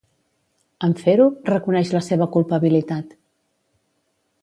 En fer-ho, reconeix la seva culpabilitat.